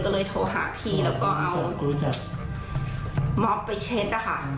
ก็เลยโทรหาพี่แล้วก็เอาม็อบไปเช็ดนะคะ